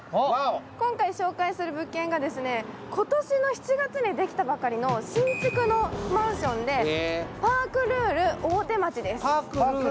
今回紹介する物件は今年の７月にできたばかりの新築のマンションで、ＰａｒｋＲｕｌｅ大手町です。